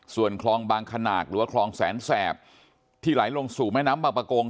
ส่วนคลองบางขนาดหรือว่าคลองแสนแสบที่ไหลลงสู่แม่น้ำบางประกง